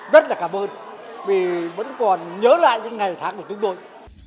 rất là cảm ơn vì vẫn còn nhớ lại những ngày tháng của chúng tôi